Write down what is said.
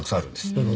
なるほど。